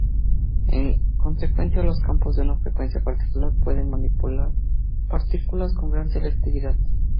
En consecuencia, los campos de una frecuencia particular pueden manipular partículas con gran selectividad.